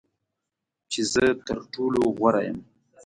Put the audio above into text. چې زه تر ټولو غوره یم .